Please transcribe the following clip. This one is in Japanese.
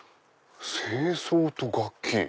清掃と楽器。